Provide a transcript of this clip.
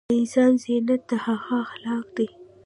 دانسان زينت دهغه اخلاق دي